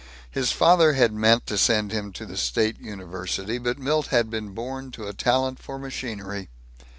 His father had meant to send him to the state university. But Milt had been born to a talent for machinery.